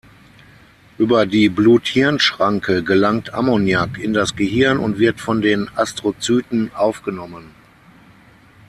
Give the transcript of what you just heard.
Über die Blut-Hirn-Schranke gelangt Ammoniak in das Gehirn und wird von den Astrozyten aufgenommen.